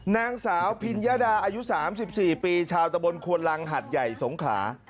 นางสาวพิญญาดาอายุ๓๔ปีชาวตะบนควนลังหัดใหญ่สงขลา